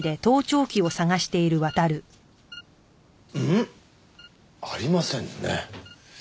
んっ？ありませんね。